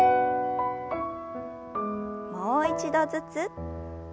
もう一度ずつ。